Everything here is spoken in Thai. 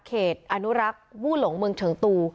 เขตอนุรักษ์วู่หลงเมืองเฉิงตู